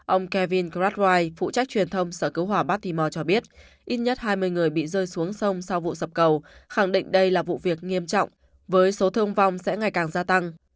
ông kevin krat ri phụ trách truyền thông sở cứu hỏa bartimore cho biết ít nhất hai mươi người bị rơi xuống sông sau vụ sập cầu khẳng định đây là vụ việc nghiêm trọng với số thương vong sẽ ngày càng gia tăng